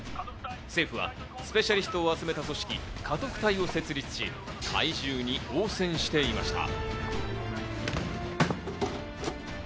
政府はスペシャリストを集めた組織、禍特対を設立し、禍威獣に応戦していました。